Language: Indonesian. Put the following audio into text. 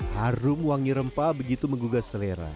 harum wangi rempah begitu menggugah selera